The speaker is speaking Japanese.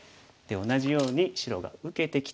で同じように白が受けてきたら。